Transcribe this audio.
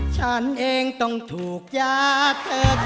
ฉันเองต้องถูกยาเธอกี่กัน